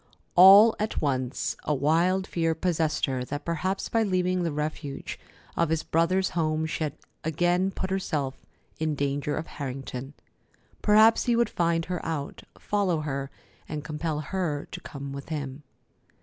All at once a wild fear possessed her that perhaps by leaving the refuge of his brother's home she had again put herself in danger of Harrington. Perhaps he would find her out, follow her, and compel her to come with him.